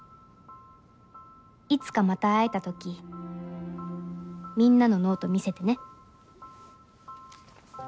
いつかまた会えた時みんなのノート見せてね。